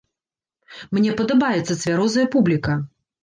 Мне падабаецца цвярозая публіка!